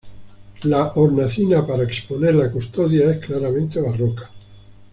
La hornacina para exponer la custodia es claramente barroca.